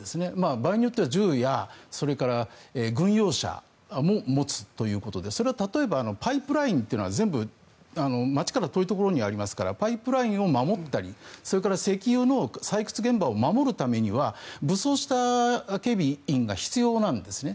場合によっては銃や、それから軍用車も持つということでそれは例えばパイプラインというのは全部街から遠いところにありますからパイプラインを守ったりそれから石油の採掘現場を守るためには武装した警備員が必要なんですね。